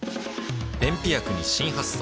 便秘薬に新発想